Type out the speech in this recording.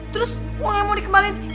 terus uangnya mau dikembalikan